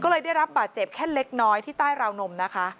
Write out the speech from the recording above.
เลยได้รับบาดเจ็บแค่เล็กน้อยในใต้ราวนม